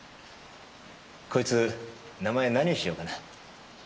こいつ名前何にしようかな。